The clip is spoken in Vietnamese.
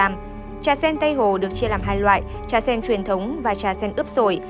trà sen tây hồ được chia làm hai loại trà sen truyền thống và trà sen ướp sổi